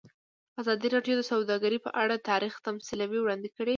ازادي راډیو د سوداګري په اړه تاریخي تمثیلونه وړاندې کړي.